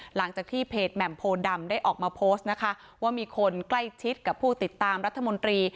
หลังจากที่เพจแหม่มโพดำได้ออกมาโพสต์นะคะว่ามีคนใกล้ชิดกับผู้ติดตามรัฐมนตรี